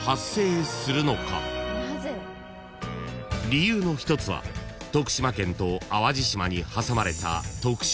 ［理由の一つは徳島県と淡路島に挟まれた］